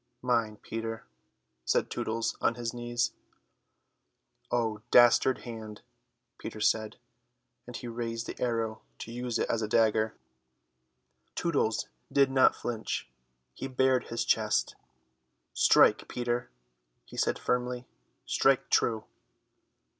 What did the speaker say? "Mine, Peter," said Tootles on his knees. "Oh, dastard hand," Peter said, and he raised the arrow to use it as a dagger. Tootles did not flinch. He bared his breast. "Strike, Peter," he said firmly, "strike true."